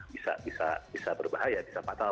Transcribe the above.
bisa berbahaya bisa patah